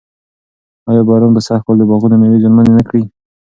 ایا باران به سږ کال د باغونو مېوې زیانمنې نه کړي؟